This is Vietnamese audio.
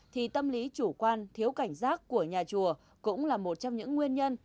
thì tâm lý chủ quan thiếu cảnh giác của nhà chùa cũng là một trong những nguyên nhân